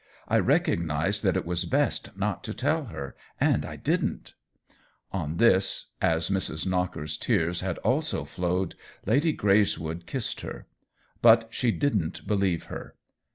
I recognized that it was best not to tell her— and I didn't." On this, as Mrs. Knocker's tears had also 40 THE WHEEL OF TIME flowed, Lady Greyswood kissed her. But she didn't believe her.